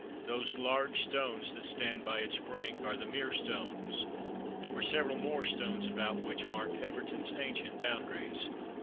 Those large stones that stand by its brink are the "Mere Stones." There were several more stones about which marked Everton's ancient boundaries.